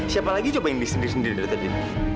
siapa lagi cobain disendir sendir dari tadi